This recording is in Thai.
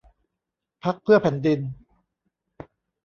พรรคเพื่อแผ่นดิน